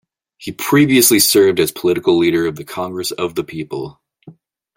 He previously served as Political Leader of the Congress of the People.